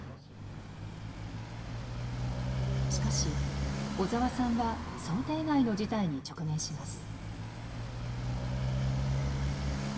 しかし小沢さんは想定外の事態に直面します。